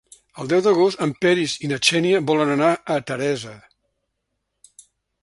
El deu d'agost en Peris i na Xènia volen anar a Teresa.